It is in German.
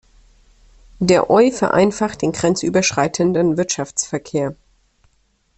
Der Euvereinfacht den grenzüberschreitenden Wirtschaftsverkehr.